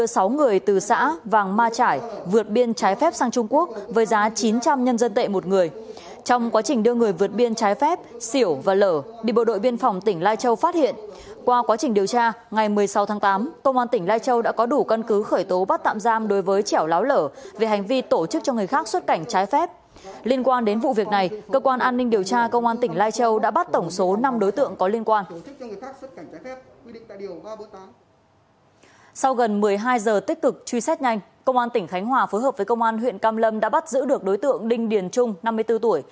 sau gần một mươi hai giờ tích cực truy xét nhanh công an tỉnh khánh hòa phối hợp với công an huyện căm lâm đã bắt giữ được đối tượng đinh điền trung năm mươi bốn tuổi